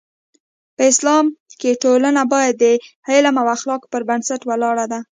په اسلام کې ټولنه باید د علم او اخلاقو پر بنسټ ولاړه ده.